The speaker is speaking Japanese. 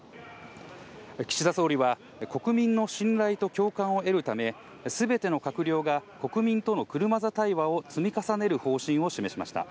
岸田総理は、国民の信頼と共感を得るため、すべての閣僚が国民との車座対話を積み重ねる方針を示しました。